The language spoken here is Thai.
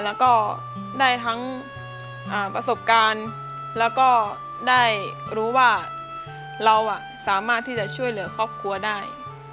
แล้วก็ได้ทั้งประสบการณ์แล้วก็ได้รู้ว่าเราสามารถที่จะช่วยเหลือครอบครัวได้